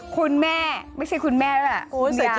คุณแม่ไม่ใช่คุณแม่แล้วคุณยาย